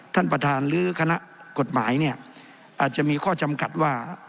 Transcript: ท่านประธานหรือคณะกฎหมายเนี่ยอาจจะมีข้อจำกัดว่า